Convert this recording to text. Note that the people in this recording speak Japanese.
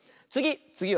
つぎ！